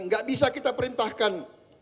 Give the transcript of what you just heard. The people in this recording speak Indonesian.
gak bisa kita perintahkan